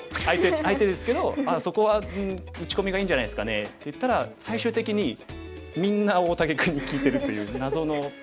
相手ですけど「そこは打ち込みがいいんじゃないですかね」って言ったら最終的にみんな大竹君に聞いてるという謎のペア碁でした。